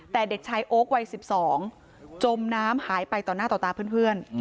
แต่เด็กชายโอ๊ควัย๑๒จมน้ำหายไปต่อหน้าต่อตาเพื่อน